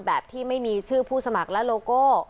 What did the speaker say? แบบที่ไม่มีชื่อผู้สมัครและโลโก้